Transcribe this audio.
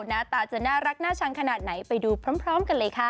หน้าตาจะน่ารักน่าชังขนาดไหนไปดูพร้อมกันเลยค่ะ